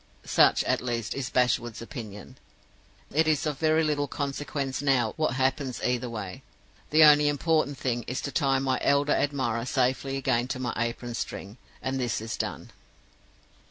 Such, at least, is Bashwood's opinion. It is of very little consequence now what happens either way. The only important thing is to tie my elderly admirer safely again to my apron string. And this is done.